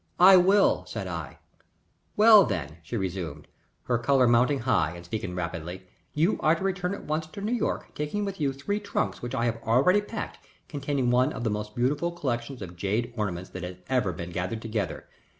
"I will," said I. "Well, then," she resumed, her color mounting high, and speaking rapidly, "you are to return at once to New York, taking with you three trunks which I have already packed, containing one of the most beautiful collections of jade ornaments that has ever been gathered together.